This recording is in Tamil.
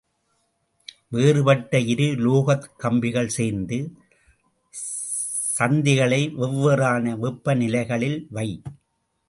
வேறுபட்ட இரு உலோகக் கம்பிகள் சேர்ந்த சந்திகளை வெவ்வேறான வெப்பநிலைகளில் வை.